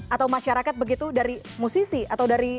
atau masyarakat begitu dari musisi atau dari